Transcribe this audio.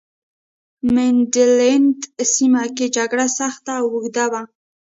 په ځانګړې توګه په مینډلنډ سیمه کې جګړه سخته او اوږده وه.